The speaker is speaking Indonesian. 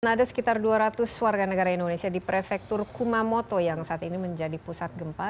ada sekitar dua ratus warga negara indonesia di prefektur kumamoto yang saat ini menjadi pusat gempa